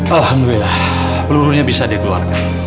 alhamdulillah pelurunya bisa dikeluarkan